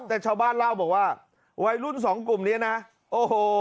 แต่ชาวบ้านเล่าบอกว่าวัยรุ่นสองกลุ่มนี้นะโอ้โห